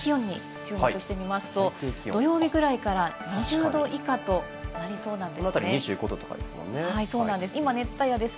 はい日中は３０度前後という日も、最低気温に注目してみますと、土曜日ぐらいから２０度以下となりそうなんです。